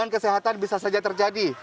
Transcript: kesehatan bisa saja terjadi